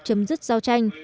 chấm dứt giao tranh